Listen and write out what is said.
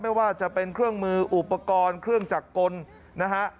ไม่ว่าจะเป็นเครื่องมืออุปกรณ์เครื่องจักรกลนะฮะ